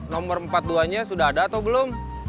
nomor empat puluh dua nya sudah ada atau belum